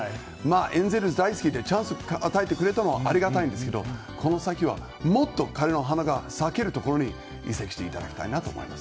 エンゼルス大好きでチャンスを与えてくれたのはありがたいんですけどこの先は、もっと彼の花が咲けるところに移籍していただきたいなと思います。